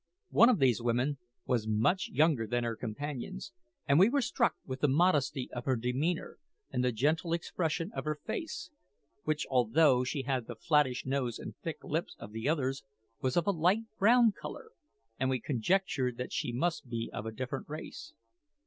One of these women was much younger than her companions, and we were struck with the modesty of her demeanour and the gentle expression of her face, which, although she had the flattish nose and thick lips of the others, was of a light brown colour, and we conjectured that she must be of a different race.